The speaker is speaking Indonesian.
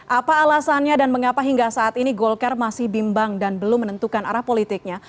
apa alasannya dan mengapa hingga saat ini golkar masih bimbang dan belum menentukan arah politiknya